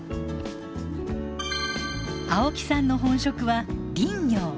青木さんの本職は林業。